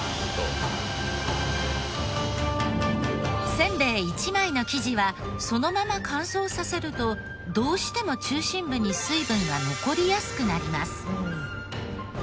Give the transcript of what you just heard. せんべい１枚の生地はそのまま乾燥させるとどうしても中心部に水分が残りやすくなります。